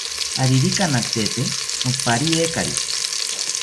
Aririka natete nopariekari